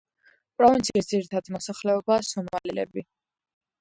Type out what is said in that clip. პროვინციის ძირითადი მოსახლეობაა სომალელები.